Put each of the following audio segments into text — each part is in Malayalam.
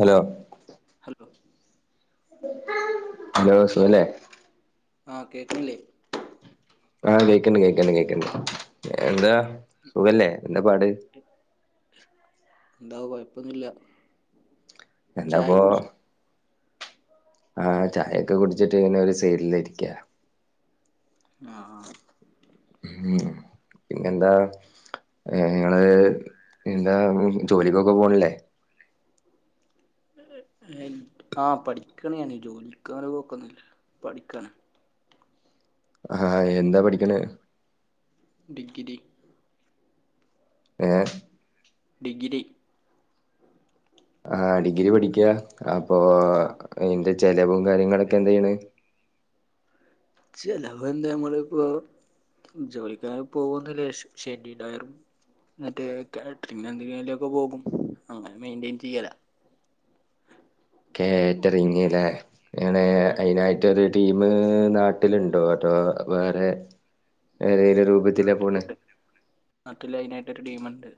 ഹലോ ഹലോ ഹലോ സുഖല്ലെ ആഹ് കേക്കണില്ലേ ആഹ് കേക്കണ്ട് കേക്കണ്ട് കേക്കണ്ട് എന്താ സുഖല്ലേ എന്താ പാട് എന്താ കൊഴപ്പൊന്നുല്ല. എന്താപ്പൊ ആഹ് ചായൊക്കെ കുടിച്ചിട്ട് ഇങ്ങനെ ഒരു സെയിഡിൽ ഇരിക്കാ ആഹ് ആഹ് ഉം പിന്നെന്താ നിങ്ങള് എന്താ ജോലി [unintelligible] പോണില്ലേ? ആ പഠിക്കണ് ഞാന് ജോലിക്കങ്ങനെ പോക്കൊന്നില്ല പഠിക്കാണ്. ആഹ് എന്താ പഠിക്ക്ണേ ടിഗ്രി ഏ ഡിഗ്രി ആഹ് ഡിഗ്രി പഠിക്കാ അപ്പൊ ആ നിന്റെ ചെലവും കാര്യങ്ങളൊക്കെ എന്താണ് ചെയ്യണത് ചെലവ് എന്താ നമ്മളിപ്പോ ജോലിക്കങ്ങനെ പോവുന്നില്ല ശനി ഞായറും എന്നിട്ട് കാറ്ററിങ് എന്തെങ്കിലുംക്കെ പോകും അങ്ങനെ മെയിൻന്റെയിൻ ചെയ്യല കേറ്ററിങ്ങല്ലേ ങ്ങനെ ഉം അയിനായിട്ടൊരു ടീമ് നാട്ടിലുണ്ടോ അതോ വേറെ ഏതേലും ഉണ്ട് രൂപത്തിലാ പോണെ നാട്ടിലുണ്ട്. നാട്ടില് അയിനായിട്ടൊരു ടീമുണ്ട്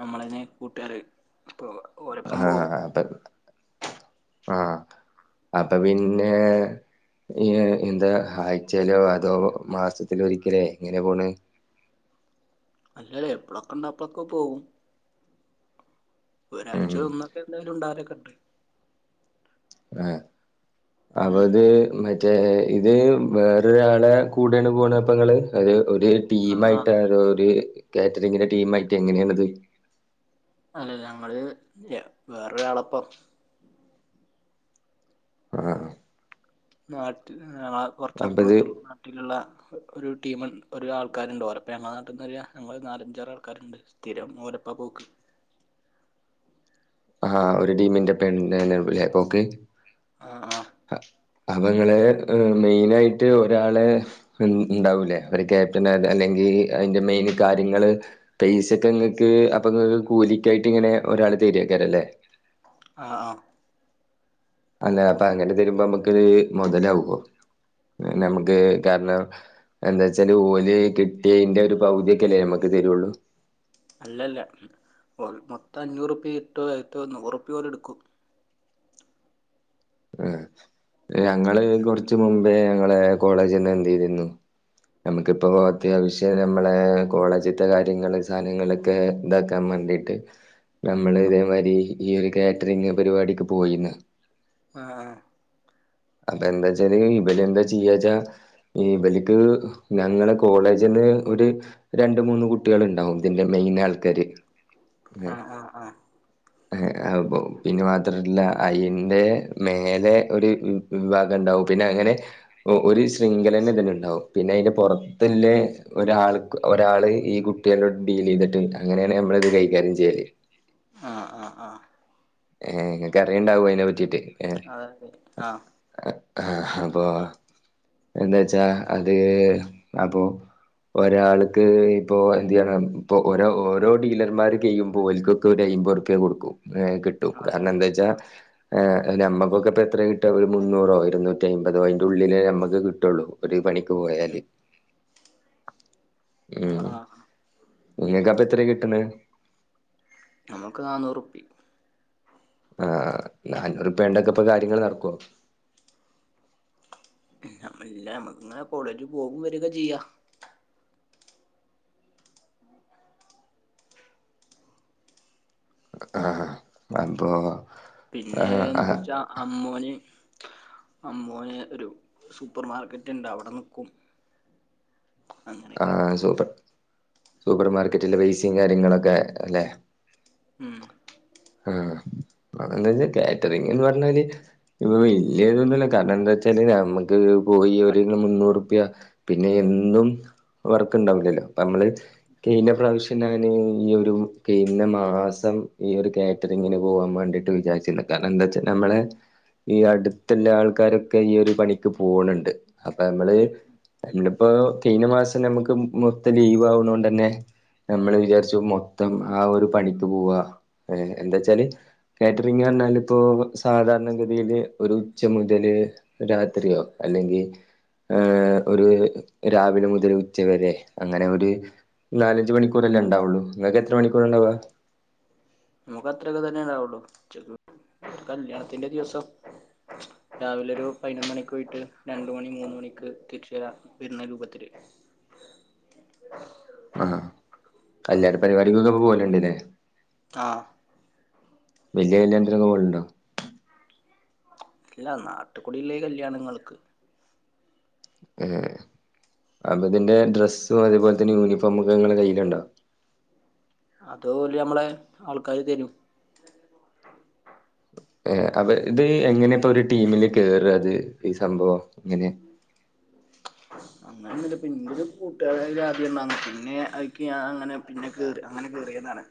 നമ്മളന്നെ കൂട്ടാര് പ്പോ ഓൽ ആഹ് അതെ ആഹ് അപ്പൊ പിന്നെ ഈ എന്താ ആഴ്ചയിലോ അതോ മാസത്തിൽ ഒരിക്കലോ എങ്ങനെ പോണ് അല്ലല്ലേ എപ്പഴൊക്കെണ്ടോ അപ്പളൊക്കെ പോവും ഉം ഒരാഴ്ച ഒന്നൊക്കെ എന്തായാലും ഉണ്ടാവരൊക്കെണ്ട്. ആഹ് ഉം അപ്പത് മ മറ്റേ ഇത് വേറൊരാളെ കൂടെയാണ് പോണപ്പങ്ങള് അത് ഒരു ആഹ് ടീമായിട്ട് ആഹ് അതോ ഒരു കാറ്ററിങ്ങിന്റെ ടീമായിട്ട് എങ്ങനെയാണത്. അല്ലല്ലോ അല്ലെ ഞങ്ങള് വേറൊരാളപ്പം ആഹ് നാട്ടിൽ ആഹ് അപ്പ ഇത് കുറച്ചപ്പുറത്തുള്ള വീട്ടിലുള്ള ഒരു ടീമിൽ ഒരു ആൾക്കാരുണ്ട് ഓരപ്പം ഞങ്ങളുടെ നാട്ടിൽ നിന്ന് ഒരു നാലഞ്ചാറ് ആൾക്കാരുണ്ട് സ്ഥിരം ഓലപ്പ പോക്ക് ആഹ് ഒരുടീമിന്റെ [unintelligible] പോക്ക് ആഹ് ആഹ് അ അപ്പങ്ങള് മെയിനായിട്ട് ഒരാളെ ഉം ഉണ്ടാവൂലേ ഒര് ക്യാപ്റ്റന് അല്ലെങ്കിൽ അതിന്റെ മെയിൻ കാര്യങ്ങള് പെയ്സക്കെ ഇങ്ങക്ക് അപ്പൊ കൂലിക്കായിട്ട് ഇങ്ങനെ ഒരാൾ തരിയാക്കരല്ലേ ആഹ് ആഹ് ആഹ് അല്ല അപ്പ അങ്ങനെ തരുമ്പോ നമ്മക്ക് മുതലാവോ നമ്മക്ക് കാരണം എന്താച്ചാല് ഓല് കിട്ടിയയിന്റെ ഒരു പകുതിയൊക്കെ അല്ലേ മ്മക്ക് തരോള്ളൂ അല്ലല്ല മോൽ മൊത്തം അഞ്ഞൂറുപ്പി കിട്ടും അത്തു ഒരു നൂറുപ്പി ഓല് എടുക്കും ഈഹ് ഞങ്ങള് കൊറച്ച് മുമ്പേ ഞങ്ങളെ കോളേജ്ന്ന് എന്ത് ചെയ്തിരുന്നു നമുക്കിപ്പോ അത്യാവശ്യം നമ്മളെ കോളേജത്തെ കാര്യങ്ങൾ സാധനങ്ങള് ക്കെ ഇതാക്കാൻ വേണ്ടിട്ട് നമ്മള് ഇതേമാതിരി ഈ ഒരു കാറ്ററിങ് പരിപാടിക്ക് പോയിന്ന് ആഹ് അപ്പൊ എന്താച്ചാല് ഇവ ല് എന്താ ചെയ്യച്ചാ ഇബാല്ക്ക് ഞങ്ങളെ കോളേജ്ന്ന് ഒരു രണ്ട് മൂന്ന് കുട്ടികൾ ഉണ്ടാവും ഇതിന്റെ മെയിൻ ആൾക്കാര് ഏഹ് ആഹ് ആഹ് ആഹ് പിന്നെ മാത്രല്ല അയന്റെ മേലെ ഒരു വിഭാഗം ഉണ്ടാവും പിന്നെ അങ്ങനെ ഒരു ശൃംഖലന്നെ ഇതില് ഇണ്ടാവും പിന്നെ അതിന്റെ പുറത്ത് ഇല്ലേ ഒരാൾക്ക് ഒരാള് ഈ കുട്ടികളോട് ഡീൽ ചെയ്തിട്ട് അങ്ങനെയാണ് നമ്മള് ഇത് കൈകാര്യം ചെയ്യല് ആഹ് ആഹ് ആഹ് ഏഹ് നിങ്ങൾക്ക് അറിയുണ്ടാവും അതിനെ പറ്റീട്ട് അതെ ആഹ് ആഹ് അപ്പൊ എന്താ വച്ചാ അത് അപ്പൊ ഒരാൾക്ക് ഇപ്പൊ എന്ത്യാണ് ഇപ്പൊ ഓരോ ഓരോ ഡീലർമാർ കയിയുമ്പോല്ക്കും ഒരു അമ്പത് റുപ്യ കൊടുക്കും കിട്ടും അതെ കാരണം അതെ എന്താ വെച്ചാൽ ഏഹ് നമ്മക്കൊക്കെ ഇപ്പ എത്ര കിട്ട ഒരു മുന്നൂറോ ഇരുന്നൂറ്റി അമ്പതോ അതിന്റുള്ളിലെ നമ്മുക്ക് കിട്ടോള്ളൂ ഒരു പണിക്ക് പോയല് ആഹ് ഉം ആഹ് ആഹ് നിങ്ങക്ക് അപ്പ എത്രയ കിട്ടണ് നമുക്ക് നന്നൂറുപ്പി ആഹ് നാന്നൂറ്പ്പണ്ടെക്കെ ഇപ്പോ കാര്യങ്ങൾ നടക്കോ ഇല്ല നമക്ക് ഇങ്ങനെ കോളേജ് പോകും വരെക്കെ ചെയ്യാം ആഹ് അപ്പൊ ആ പിന്നെ ആ എന്ത്ച്ച അമ്മോന് അമ്മോന് ഒരു സൂപ്പർമാർക്കറ്റ് ഉണ്ട് അവിടെ നിക്കും അങ്ങനെയൊക്കെ ആഹ് സൂപ്പർ സൂപ്പർ മാർക്കറ്റിലെ വൈസിയും കാര്യങ്ങളൊക്കെ അല്ലെ ഉം ആഹ് അതന്താ വച്ചാ കാറ്ററിങ്ന്ന് പറഞ്ഞാല് ഇപ്പം വലയതൊന്നല്ല കാരണം എന്താ വെച്ചാല് നമുക്ക് പോയി അവരി പട്ടിപ്പണിയാണ് മുന്നൂറുപ്യ പിന്നെ എന്നും വർക്ക് ഇണ്ടാവില്ലല്ലോ അപ്പം നമ്മള് കയിഞ്ഞ പ്രാവശ്യം ഞാന് ഈ ഒരു കഴുന്ന മാസം ഈ ഒരു കാ [unintelligible] ഇങ്ങന പോവാൻ വേണ്ടിട്ട് വിചാരിച്ചിക്ക്ണ് കാരണം എന്താച്ചാ നമ്മളെ ഈ അടുത്തുള്ള ആൾക്കാരൊക്കെ ഈ ഒരു പണിക്ക് പോണ്‌ണ്ട് അപ്പൊ മ്മള് ഉം ഇന്നിപ്പോ കഴിഞ്ഞ മാസം നമ്മുക്ക് മൊത്തം ലീവാവ്ണൊണ്ടന്നെ നമ്മള് വിചാരിച്ചു മൊത്തം ആ ഒരു പണിക്ക് പോവാ ഏഹ് എന്താ വച്ചാല് കാറ്ററിങ് പറഞ്ഞാൽ ഇപ്പൊ സാധാരണ ഗതിയില് ഒരു ഉച്ച മുതല് രാത്രിയോ അല്ലെങ്കിൽ ഈഹ് ഒരു രാവിലെ മുതൽ ഉച്ച വരെ അങ്ങനെ ഒരു നാലഞ്ച് മണിക്കൂറല്ലേ ഉണ്ടാവുള്ളൂ നിങ്ങൾക്ക് എത്ര മണിക്കൂറാ ഉണ്ടാവ നമുക്ക് അത്രക്കെ തന്നെ ആവുള്ളു കല്യാണത്തിന്റെ ദിവസം രാവിലെ ഒരു പതിനൊന്ന് മണിക്ക് പോയിട്ട് രണ്ട് മണി മൂന്ന് മണിക്ക് തിരിച്ചു വരാം വരുന്ന രൂപത്തില് ആഹ് കല്യാണ പരിപാടിക്കൊക്കെ പോലുണ്ട്ല്ലേ ആഹ് വലിയ കല്യാണത്തിനൊക്കെ പോവാലുണ്ടോ ഇല്ല നാട്ടുകുടില്ലെ ഈ കല്യാണങ്ങൾക്ക് ഹ്ഹെ അതുപിന്നെ ഡ്രസ്സുംഅതേപോൽതന്നെ യൂണിഫോമൊക്കെ ഇങ്ങളെകയ്യിലുണ്ടോ? അത്ഓല്നമ്മളെ ആൾക്കാര്തരും ഏഹ് അത് ഇത്എങ്ങനെപ്പൊരു ടീമില്കേറഅത് ഈസംഭവം ഇങ്ങനെ? അങ്ങനെന്നുല്ല പ്പൻ്റെരു കൂട്ടുകാര ആദ്യ ഇണ്ടാ പിന്നെ അയ്ക്ക് ഞാനങ്ങനെ പിന്നെ കേറി അങ്ങനെകെറിയതാണ്.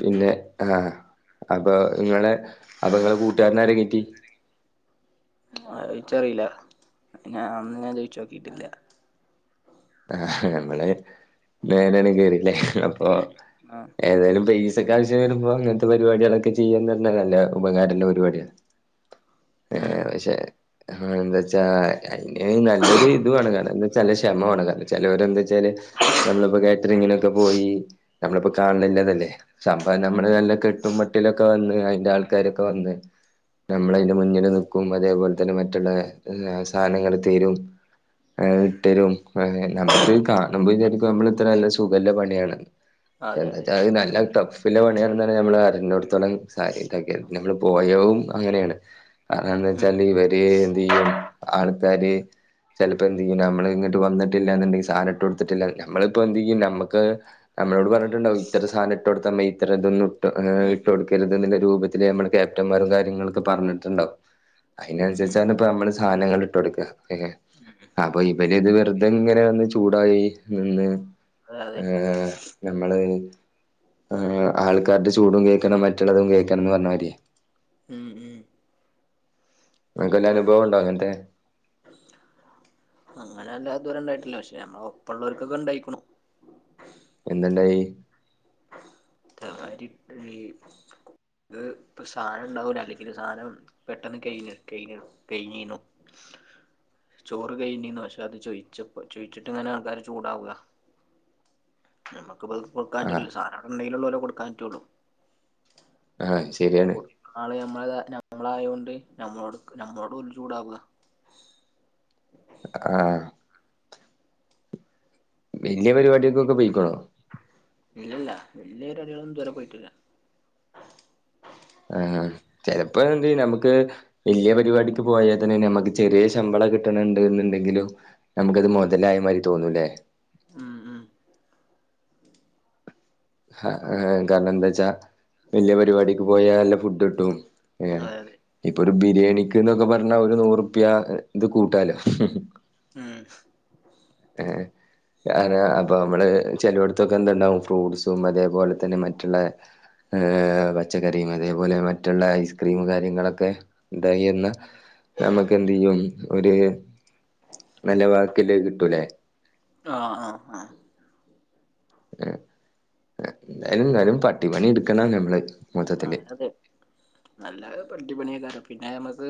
പിന്നെ ആഹ് അപ്പൊഇങ്ങളെ അപ്പങ്ങളെകൂട്ടുകാരനാരകേറ്റി? അഹ്ച്ചാറീലാ ഞാൻഅതൊന്നും ചോയ്ച്ചോക്കിട്ടില്ല ആഹ് നമ്മള് മെല്ലേണ് കേയറില്ലേഅപ്പൊ ആഹ് ഏതെലും പൈസക്കാവശ്യംവരുമ്പോ ഇങ്ങൻത്തെ പരിപാടികളൊക്കെ ചെയ്യാന്ന്പറഞ്ഞാ നല്ല ഉപകാരള്ളെപരിപാടിയാണ് ഉം ഏഹ് പക്ഷെ ആഹ് എന്ത്ച്ചാ അയ്ന്നല്ലൊരുഇത് വേണം കാരണംഎന്താച്ചാ നല്ലക്ഷമവാണം കാ ചെലൊര് എന്ത് വെച്ചാല് നമ്മളിപ്പോകാറ്ററിങ്ങിനൊക്കെപോയി നമ്മളിപ്പോകാൺണില്ലതല്ലേ സംഭവംനമ്മള്നല്ല കെട്ടുമ്മട്ടിലൊക്കെവന്ന് അയിന്റെആൾക്കാരൊക്കെവന്ന് നമ്മളയിന്റെ മുന്നില്നിക്കും അതേപോൽതന്നെ മറ്റുള്ള എല്ലാ സാധനങ്ങള്തീരും. അഹ് വിട്ടരും അങ്ങ നമുക്ക്കാണുമ്പോവിചാരിക്കും നമ്മള് ഇത്രനല്ലസുഖല്ലപണിയാണ്. അതെ അതെ എന്താച്ചാല് അത് നല്ലട്ടൊ. പിന്നെ പണിയർഞാല് നമ്മള് അറിഞ്ഞൊടുത്തോളം സാരിഉണ്ടാക്കിയ നമ്മള്പോയവും അങ്ങനെയാണ്. അതെന്തെച്ചാല് ഇവര്എന്ത്യ്യും ആൾക്കാര്. ചിലപ്പോന്തെയ്യും നമ്മള്ഇങ്ങിട്ട് വന്നിട്ടില്ലാന്നുണ്ടെങ്കി സാനട്ടൊട്തിട്ടില്ല നമ്മളിപ്പോന്ത്യ്യും നമ്മ്ക്ക് നമ്മളോട്പറഞ്ഞിട്ടുണ്ടാവും ഇത്രസാനഇട്ടൊടുത്ത മെയ്‌തരതൊന്നു ഇട്ടൊ ഉം അങ്ങനെഇട്ട്കൊടുക്കരുത്ന്നില്ലരൂപത്തി ഇത് നമ്മളെ ക്യാപ്റ്റന്മാരുംകാര്യങ്ങളൊക്കെ പറഞ്ഞിട്ടുണ്ടാവും. ഉം അയിനൻസരിച്ചാണ്ഇപ്പമ്മള് സാനങ്ങള് ഇട്ടൊട്ക്കാ എഹ് അപ്പൊഇവര്ത് വെറു ഇതെങ്ങനെവന്ന്ചൂടായി നിന്ന് അതെ അതെ ഏഹ് നമ്മള്ആൾക്കാരുടെചൂടുംകേക്കണം മറ്റുള്ളതുംകേക്കണംന്ന്പറഞ്ഞമാരിയെ. ഉം ഉം അൻക്ക് വല്ലേഅനുഭവംണ്ടോഅങ്ങൻത്തെ അങ്ങനെല്ലാദുരണ്ടായിട്ടില്ല പക്ഷെനമ്മളെ ഒപ്പ ഉള്ളൊൽക്കൊക്കെ ഉണ്ടായിക്കുണു. എന്ത്ണ്ടായി? [unintelligible] ഇപ്പൊസാനംഉണ്ടാവൂലഅല്ലെങ്കില് സാനംപെട്ടെന്ന് കെഴുഞ്ഞു കെഴുഞ്ഞു കെഴിഞ്ഞീനു. ചോറ്കഴിഞ്ഞീനു പക്ഷെഅത് ചോയിച്ചപ്പോ ചോയിച്ചിട്ട്ങ്ങനെ ആൾക്കാര്ചൂടാവ. നമുക്ക്പ്പത് ആഹ് കൊടുക്കാറ്റുലല്ലോ സാനാംഅവിടെഉണ്ടെയിലുള്ളോള്ളൊ കൊടുക്കൻറ്റുള്ളൂ. ആഹ് ശരിയാണ് കൊടുക്കുന്ന ആൾ നമ്മളായൊണ്ട് നമ്മളോട് നമ്മളോഡോല്ചൂടാവ. ആഹ് വെല്ല്യയ പരിപാടിയാൾക്കൊക്കെ പൊയിക്കണോ? ഇല്ലല്ല വെല്ലിയപാടികളൊന്നുംതുവരെപോയിട്ടില്ല ആഹ് ചെൽപ്പോന്തെയും നമുക്ക് വെല്ലിയ പരിപാടിക്ക്പോയാതന്നെ നമുക്ക്ചെറിയശമ്പളംകിട്ട്ണ് ണ്ട്ന്ന്ണ്ടങ്കിലും. നമുക്ക്ത് ഉം മൊതലായമാരി തോന്നൂംല്ലേ. ഉം ഉം ആഹ കാരണന്ത്ച്ചാ വെല്ലിയപരിപാടിക്ക്പോയാല്ല ഫുഡ്ട്ടും ഏഹ് അതെ അതെ ഇപ്പൊരുബിരിയാണിക്ക്ന്ന്ക്കെ പറഞ്ഞാ ഒരുനൂറുപ്യാ ഇത്കൂട്ടാലോ. ഹ് ഹ് ഹ് ഉം [inaudible] എഹ് [unintelligible] അപ്പൊനമ്മള് ചെലോട്ത്തൊക്കെന്തുണ്ടാവും ഫ്രൂട്സ്സും അതേപോലെതന്നെ മറ്റുള്ള എഹ് പച്ചക്കറിയും അതേപോലെ മറ്റുള്ള ഐസ്ക്രീംമ്മുംകാര്യങ്ങളൊക്കെ. ന്തായിയെന്ന് നമ്മുക്ക്ന്ത്യ്യും ഒരു- നല്ല വാക്ക്ള്ളത് കിട്ടൂലേ ആഹ് ആഹ് ആഹ് എഹ് ഏഹ് എന്തായാലും എന്നാലും പട്ടിപണി എടുക്കണം നമ്മള് മൊത്തത്തില്. നല്ലാ പട്ടിപണിയ്കാരം പിന്നെ നമ്മക്ക്,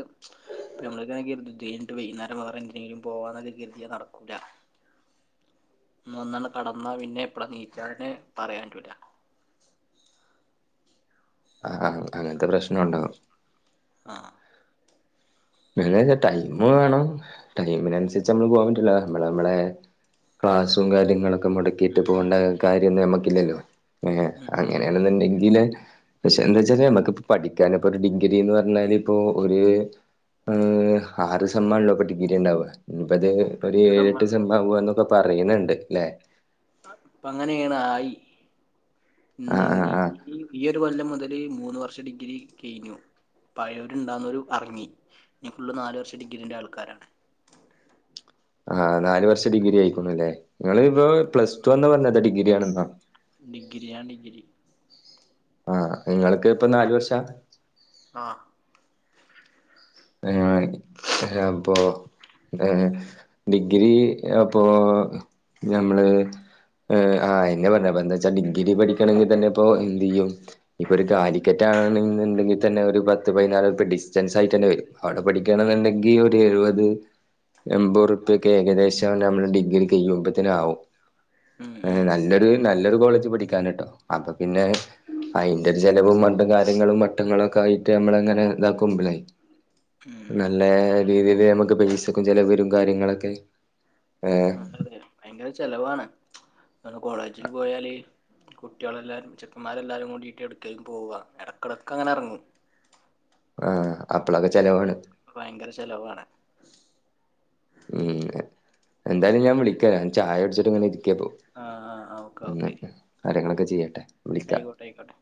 ഇപ്പ നമ്മളൊക്കേണങ്കിൽ, ഇതേയ്ഞ്ഞിട്ട് വൈകുന്നേരം വേറെ എന്തിനങ്കിലും പോവാന്നൊക്കെ കരുതിയ നടക്കൂല. ഇന്ന് വന്നണ്ട് കടന്നാ പിന്നെ എപ്പള നീചാണ് പറയാറ്റൂല ആഹ് ആഹ് അങ്ങനത്തെ പ്രശ്നം ഉണ്ടാവും ആഹ [unintelligible] ടൈമ് വേണം ടൈമിനനുസരിച്ച് നമ്മള് പോകൻ പറ്റൂല നമ്മള നമ്മെളെ ക്ലാസ്സും കാര്യങ്ങളൊക്കെ മുടക്കിയിട്ട് ഉം ഉം പോണ്ട കാര്യന്നും നമ്മക്കില്ലല്ലോ ഏ ഉം ഉം അങ്ങനെയാണെന്ന് ണ്ടങ്കില്, പക്ഷെ എന്താ വച്ചാല്, നമക്കിപ്പോ പഠിക്കാന് ഇപ്പോ ഒരു ഡിഗ്രിന്ന് പറഞ്ഞാല്, ഇപ്പോ ഒര് ഉം ആറ് സമ്മാണല്ലോ ഇപ്പോ ഡിഗ്രി ഇണ്ടാവ. ഇഞ്ഞിപ്പത് ഒരു പെട്ട ഏഴെട്ട് സംഭവാണ് സമ്മാവുമ്പോ ഇങ്ങക്കൊക്കെ. പറയണണ്ട് ല്ലേ. അപ്പ അങ്ങനേണ് ആയി ആഹ് ആഹ് ഇന്നങ്കി ആഹ് ഈ ഈ ഒരു കൊല്ലം മുതല് മൂന്ന് വർഷം ഡിഗ്രി കഴിഞ്ഞു പഴയവരു ഉണ്ടാവുന്നൊരു എറങ്ങി. ഇനി ഫുള്ള് നാല് വർഷ ഡിഗ്രീൻ്റെ ആൾക്കാരാണ്. ആ നാല് വർഷ ഡിഗ്രി ആയിക്കുണുല്ലേ. നിങ്ങളിപ്പോ പ്ലസ് ടു ന്നാ പറഞ്ഞത്, ഡിഗ്രി ആണെന്നോ. ഡിഗ്രി യ ഡിഗ്രി. ആഹ് നിങ്ങൾക്ക് ഇപ്പൊ നാല് വർഷാ ആഹ് [unintelligible] അപ്പൊ ഏ ഡിഗ്രി അപ്പൊ ഞമ്മള് ഏ ആ അയന്നെ പറഞ്ഞ. അപ്പ എന്താച്ചാൽ ഡിഗ്രി പഠിക്കണെങ്കിൽ തന്നെ ഇപ്പോ എന്ത് ചെയ്യും. ഇപ്പൊ ഒരു കാലിക്കറ്റ് ആണന്ന്ണ്ടെങ്കിൽ തന്നെ ഒരു പത്ത് പതിനാലുറുപ്പ്യ ഡിസ്റ്റൻസ് ആയി തന്നെ വരും അവിടെ പഠിക്കാണെന്ന്ണ്ടെങ്കി ഒരു എഴുപത് എൺമ്പത് റുപ്പ്യൊക്കെ ഏകദേശ നമ്മുടെ ഡിഗ്രി കഴിയുമ്പത്തിന് ആകും ഉം ഏ ഉം നല്ലൊരു നല്ലൊരു കോളേജ് പഠിക്കാന് ട്ടോ. അപ്പൊ പിന്നെ, അയിന്റെ ഒരു ചലവും മണ്ടും കാര്യങ്ങളും മട്ടങ്ങളും ഒക്കെ ആയിട്ട് നമ്മള അങ്ങനെ ഇതാക്കും മുമ്പിലായി ഉം നല്ല രീതില് നമ്മക്ക് പൈസക്കും ചെലവരും കാര്യങ്ങളൊക്കെ ഏ അതെ ഭയങ്കര ചെലവാണ്. കോളേജില് പോയാല്. കുട്ടിളല്ലാരും ചെക്കന്മാരെല്ലാരും കൂടീട്ട് എടുകേകും പോവ എടക്കടക്ക് അങ്ങനെ ഇറങ്ങും ആഹ് അപ്പളൊക്കെ ചെലവാണ് ഭയങ്കര ചെലവാണ് ഉം എന്തായാലും ഞാൻ വിളിക്ക ഞാൻ ചായുടിച്ചിട്ട് ഇങ്ങനെ ഇരി ക്കപ്പൊ ആഹ് ആഹ് [unintelligible] കാര്യങ്ങളൊക്കെ ചെയ്യട്ടെ. വിളിക്കാം അയിക്കോട്ടെ, അയിക്കോട്ടെ.